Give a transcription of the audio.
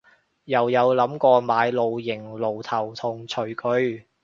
又有諗過買露營爐頭同廚具